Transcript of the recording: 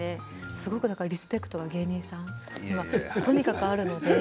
すごくリスペクトが芸人さんにはすごくあるので。